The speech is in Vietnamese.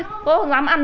cô không dám ăn nước